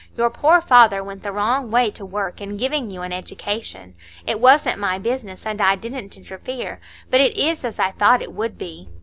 Your poor father went the wrong way to work in giving you an education. It wasn't my business, and I didn't interfere; but it is as I thought it would be.